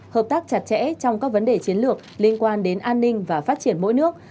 hợp tác chặt chẽ trong các vấn đề chiến lược liên quan đến an ninh và phát triển mỗi nước